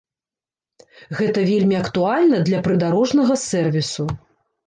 Гэта вельмі актуальна для прыдарожнага сэрвісу.